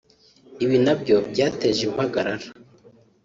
ibi nabyo byateje impagarara